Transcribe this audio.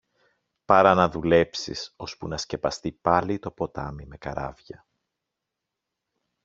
παρά να δουλέψεις ώσπου να σκεπαστεί πάλι το ποτάμι με καράβια.